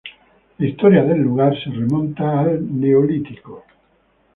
La historia del lugar se remonta al neolítico.